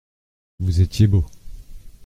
Vous étiez beaux.